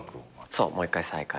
そうもう一回再開した。